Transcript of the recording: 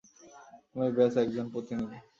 আমি ব্যস একজন প্রতিনিধি।